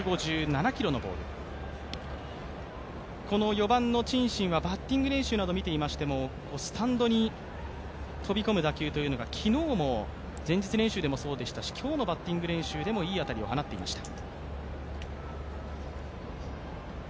４番のチン・シンはバッティング練習など見ていましても、スタンドに飛び込む打球というのが昨日も前日練習でもそうでしたし、今日のバッティング練習でもいい当たりを放っていました。